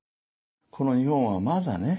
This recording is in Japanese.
この日本はまだね